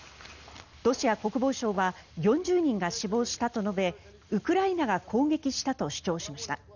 ロシア国防省は４０人が死亡したと述べウクライナが攻撃したと主張しました。